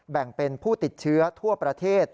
แบ่งเป็นผู้ติดเชื้อทั่วประเทศ